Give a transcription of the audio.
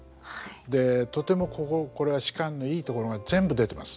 でとてもこれは芝のいいところが全部出てます。